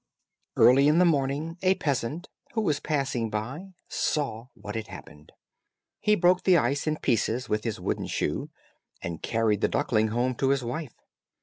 Early in the morning, a peasant, who was passing by, saw what had happened. He broke the ice in pieces with his wooden shoe, and carried the duckling home to his wife.